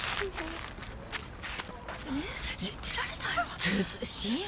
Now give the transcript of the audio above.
信じられないわ！